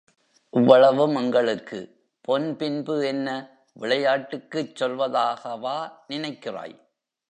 இவ்வளவும் எங்களுக்கு......... பொன் பின்பு என்ன, விளையாட்டுக்குச் சொல்வதாகவா நினைக்கிறாய்?